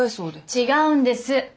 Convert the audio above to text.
違うんです。